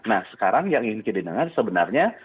nah sekarang yang ingin kita dengar sebenarnya